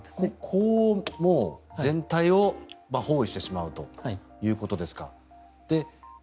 こう、全体を包囲してしまうということですか。